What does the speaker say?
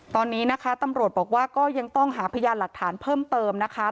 ตอนนี้นะคะตำรวจบอกว่าก็ยังต้องหาพยานหลักฐานเพิ่มเติมนะคะ